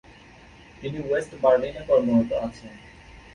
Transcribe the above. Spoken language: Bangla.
তিনি ওয়েস্ট বার্লিনে কর্মরত আছেন।